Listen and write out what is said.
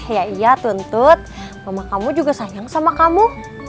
ya iya tuntut mama kamu juga sayang sama kamu